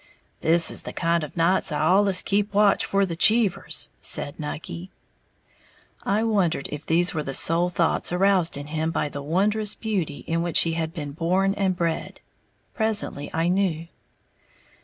"This is the kind of nights I allus keep watch for the Cheevers," said Nucky. I wondered if these were the sole thoughts aroused in him by the wondrous beauty in which he had been born and bred. Presently I knew.